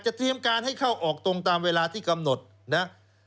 เตรียมการให้เข้าออกตรงตามเวลาที่กำหนดนะครับ